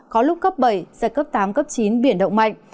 có lúc cấp bảy giật cấp tám cấp chín biển động mạnh